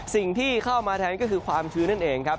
สิ่งที่เข้ามาแทนก็คือความชื้นนั่นเองครับ